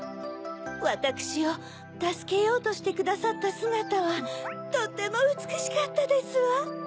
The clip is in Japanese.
わたくしをたすけようとしてくださったすがたはとてもうつくしかったですわ。